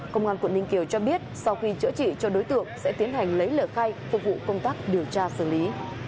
công an quận ninh kiều cho biết sau khi chữa trị cho đối tượng sẽ tiến hành lấy lời khai phục vụ công tác điều tra xử lý